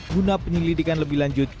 guna penyelidikan lebih lanjut